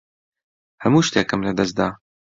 هەموو شتێکم لەدەست دا.